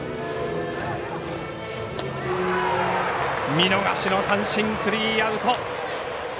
見逃しの三振、スリーアウト。